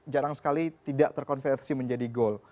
jarang sekali tidak terkonversi menjadi gol